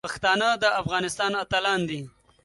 پښتانه د افغانستان اتلان دي.